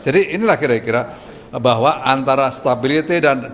jadi inilah kira kira bahwa antara stability dan stability